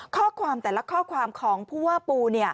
ข้อความแต่ละข้อความของผู้ว่าปู